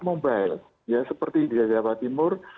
mobile ya seperti di jawa timur